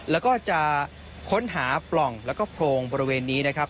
แล้วก็จะค้นหาปล่องแล้วก็โพรงบริเวณนี้นะครับ